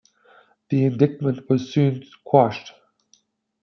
The indictment was soon quashed.